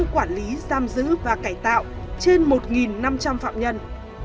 quản lý giam giữ và cải tạo trên một năm trăm linh phạm nhân